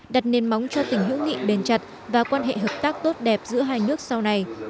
đặt nền móng cho tình hữu nghị bền chặt và quan hệ hợp tác tốt đẹp giữa hai nước sau này